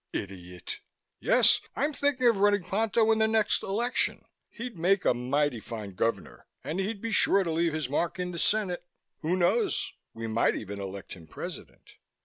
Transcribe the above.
"Idiot!" "Yes, I'm thinking of running Ponto in the next election. He'd make a mighty fine Governor and he'd be sure to leave his mark in the Senate. Who knows, we might even elect him President."